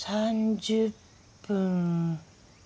３０分。